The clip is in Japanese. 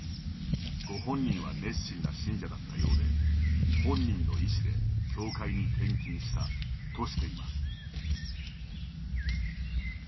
「ご本人は熱心な信者だったようで本人の意思で教会に献金した」としています。